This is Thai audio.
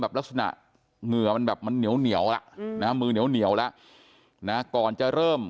แบบลักษณะมือมันแบบมันเหนียวละมือเหนียวละก่อนจะเริ่ม